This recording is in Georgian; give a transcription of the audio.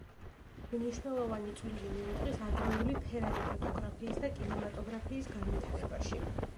მნიშვნელოვანი წვლილი მიუძღვის ადრეული ფერადი ფოტოგრაფიის და კინემატოგრაფიის განვითარებაში.